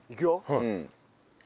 うん。